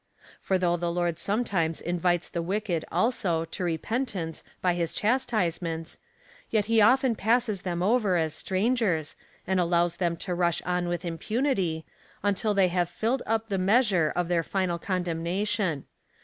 For though the Lord sometimes invites the wicked, also, to repentance by his chastisements, yet he often passes them over as strangers,^ and allows them to rush on with impunity, until they have filled up the measure of their final condemnation.